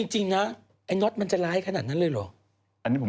จริงนะไอ้น็อตมันจะร้ายขนาดนั้นเลยเหรอ